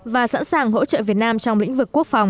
và sẵn sàng hỗ trợ việt nam trong lĩnh vực quốc phòng